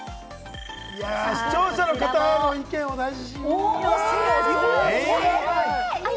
視聴者の方の意見を大事にね。